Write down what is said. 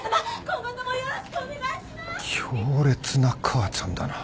強烈な母ちゃんだな。